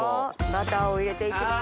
バターを入れていきます。